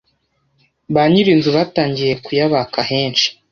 ba nyir’amazu batangiye kuyabaka ahenshi